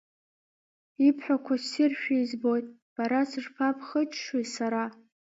Ибҳәақәо ссиршәа избоит, бара сышԥабхыччои сара!